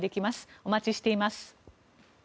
お待ちしています。